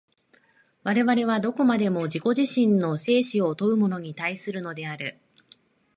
我々はどこまでも自己自身の生死を問うものに対するのである。